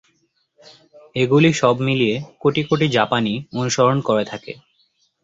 এগুলি সব মিলিয়ে কোটি কোটি জাপানি অনুসরণ করে থাকে।